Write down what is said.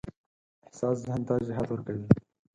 احساس ذهن ته جهت ورکوي.